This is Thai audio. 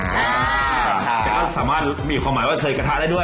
แต่ก็สามารถมีความหมายว่าเคยกระทะได้ด้วย